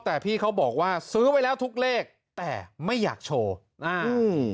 แต่พี่เขาบอกว่าซื้อไว้แล้วทุกเลขแต่ไม่อยากโชว์อ่าอืม